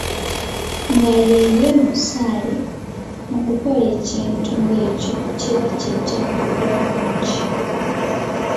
Nga ye ye musaale mukukola ekintu ng'ekyo, kiba kijja kuggwa bulungi.